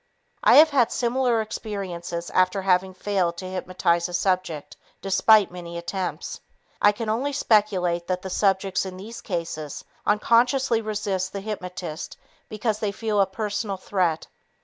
I have had similar experiences after having failed to hypnotize a subject despite many attempts. I can only speculate that the subjects in these cases unconsciously resist the hypnotist because they feel a personal threat.